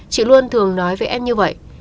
chị luôn thường nói với em như vậy